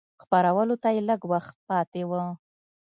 خپرولو ته یې لږ وخت پاته و.